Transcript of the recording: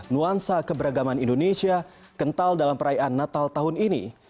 nuansa keberagaman indonesia kental dalam perayaan natal tahun ini